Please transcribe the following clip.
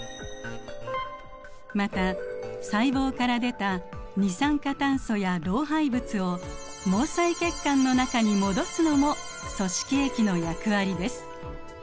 また細胞から出た二酸化炭素や老廃物を毛細血管の中に戻すのも組織液の役割です。